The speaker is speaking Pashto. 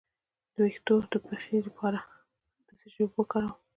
د ویښتو د پخې لپاره د څه شي اوبه وکاروم؟